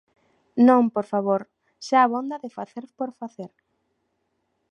Non, por favor, xa abonda de facer por facer.